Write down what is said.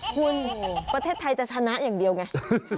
คุณประเทศไทยจะชนะอย่างเดียวไง